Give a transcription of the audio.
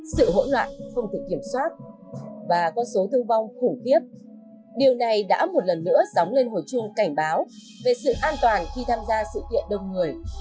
sự hỗn loạn không thể kiểm soát và có số thương vong khủng khiếp điều này đã một lần nữa dóng lên hồi chuông cảnh báo về sự an toàn khi tham gia sự kiện đông người